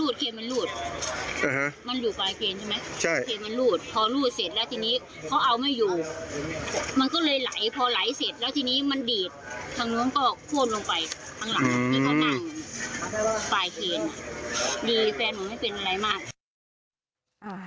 พอดีแฟนหนูไม่เป็นอะไรมาก